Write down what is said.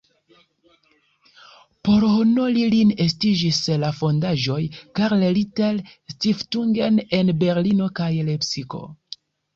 Por honori lin estiĝis la fondaĵoj "Karl Ritter-Stiftungen" en Berlino kaj Lepsiko.